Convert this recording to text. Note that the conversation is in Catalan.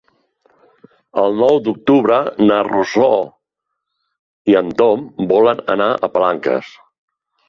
El nou d'octubre na Rosó i en Tom volen anar a Palanques.